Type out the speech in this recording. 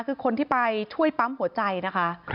คือคนที่ไปช่วยปั๊มหัวใจนะคะ